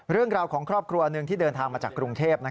เรื่องราวของครอบครัวหนึ่งที่เดินทางมาจากกรุงเทพ